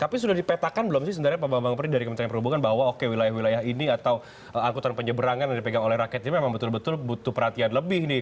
tapi sudah dipetakan belum sih sebenarnya pak bambang peri dari kementerian perhubungan bahwa oke wilayah wilayah ini atau angkutan penyeberangan yang dipegang oleh rakyat ini memang betul betul butuh perhatian lebih nih